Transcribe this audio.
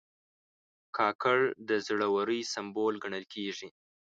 کاکړ د زړه ورۍ سمبول ګڼل کېږي.